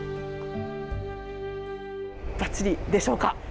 ばっちりでしょうか？